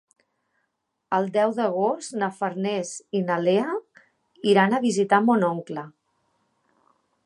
El deu d'agost na Farners i na Lea iran a visitar mon oncle.